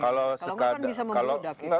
kalau nggak bisa menuduh